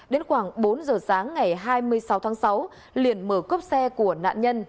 đến khoảng bốn giờ sáng ngày hai mươi sáu tháng sáu liền mở cốp xe của nạn nhân